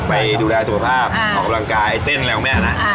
ไปดูแลสุขภาพออกกำลังกายเต้นแล้วแม่นะ